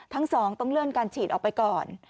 ทั้งสองต้องเลื่อนการฉีดออกไปก่อน